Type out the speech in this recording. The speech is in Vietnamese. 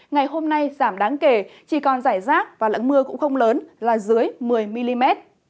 ngày hôm nay giảm đáng kể chỉ còn giải rác và lẫn mưa cũng không lớn là dưới một mươi mm